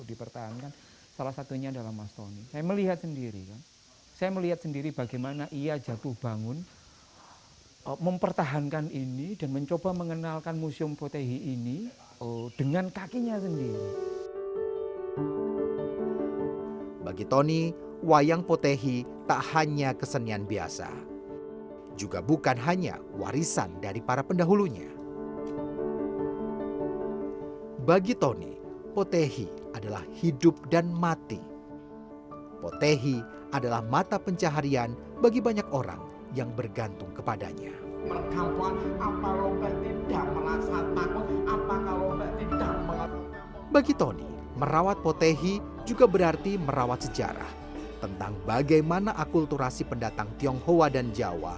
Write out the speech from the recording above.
ia membutuhkan uluran tangan para donatur untuk bisa mewujudkan cita citanya